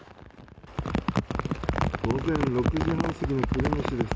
午前６時半過ぎの久留米市です。